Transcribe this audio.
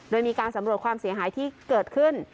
โดยมีการสำรวจความเสียหายที่เกิดขึ้น